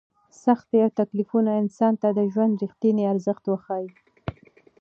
سختۍ او تکلیفونه انسان ته د ژوند رښتینی ارزښت وښيي.